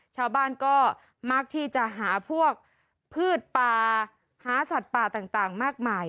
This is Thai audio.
ชาวบ้านก็มักที่จะหาพวกพืชป่าหาสัตว์ป่าต่างมากมาย